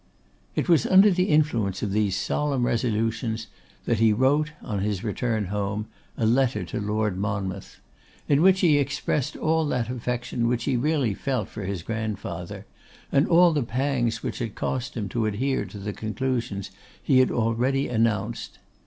It was under the influence of these solemn resolutions that he wrote, on his return home, a letter to Lord Monmouth, in which he expressed all that affection which he really felt for his grandfather, and all the pangs which it cost him to adhere to the conclusions he had already announced.